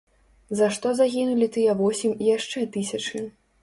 За што загінулі тыя восем і яшчэ тысячы?